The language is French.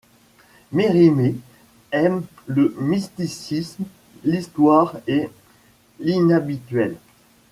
Mérimée aime le mysticisme, l’histoire et l’inhabituel.